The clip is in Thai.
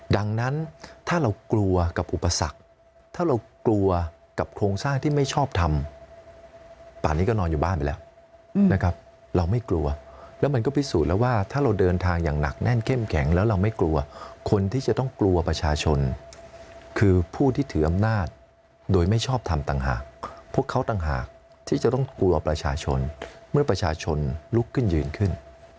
ดังนั้นถ้าเรากลัวกับอุปสรรคถ้าเรากลัวกับโครงสร้างที่ไม่ชอบทำป่านนี้ก็นอนอยู่บ้านไปแล้วนะครับเราไม่กลัวแล้วมันก็พิสูจน์แล้วว่าถ้าเราเดินทางอย่างหนักแน่นเข้มแข็งแล้วเราไม่กลัวคนที่จะต้องกลัวประชาชนคือผู้ที่ถืออำนาจโดยไม่ชอบทำต่างหากพวกเขาต่างหากที่จะต้องกลัวประชาชนเมื่อประชาชนลุกขึ้นยืนขึ้น